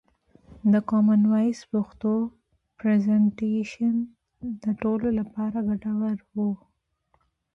د کومن وایس پښتو پرزنټیشن د ټولو لپاره ګټور و.